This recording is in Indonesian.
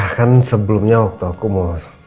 bahkan sebelumnya waktu aku mau